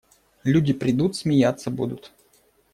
Люди придут – смеяться будут.